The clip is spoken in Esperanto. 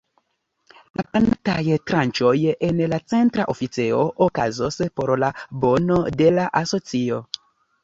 La planataj tranĉoj en la Centra Oficejo okazos por la bono de la asocio.